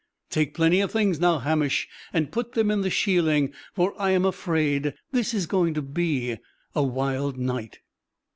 Take plenty of things now, Hamish, and put them in the sheiling, for I am afraid this is going to be a wild night."